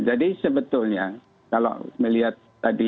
jadi sebetulnya kalau melihat tadi